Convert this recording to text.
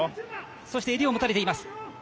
そして、襟を持たれています。